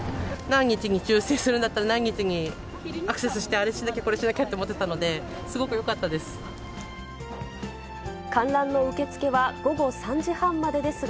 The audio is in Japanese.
何日に抽せんするんだったら何日にアクセスして、あれしなきゃこれしなきゃと思ってたので、すごくよかったです。